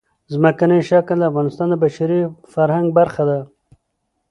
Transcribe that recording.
ځمکنی شکل د افغانستان د بشري فرهنګ برخه ده.